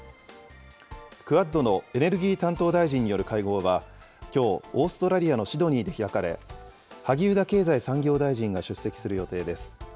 クアッドのエネルギー担当大臣による会合は、きょう、オーストラリアのシドニーで開かれ、萩生田経済産業大臣が出席する予定です。